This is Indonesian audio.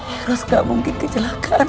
eros gak mungkin kecelakaan